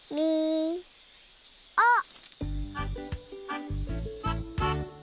あっ！